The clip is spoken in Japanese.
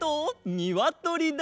にわとりだ！